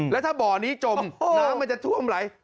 แล้วถ้าบ่อนี้จมน้ำมันจะท่วมไหล